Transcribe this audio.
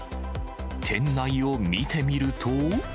店内を見てみると。